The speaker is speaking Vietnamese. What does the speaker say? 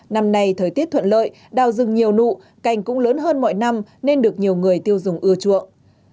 năm nay thời tiết thuận lợi đào rừng nhiều nụ cành cũng lớn hơn mọi năm nên được nhiều người tiêu dùng ưa chuộng